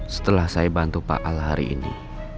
setelah saya bantu pak al hari ini